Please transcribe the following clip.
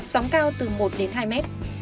sóng cao từ một hai m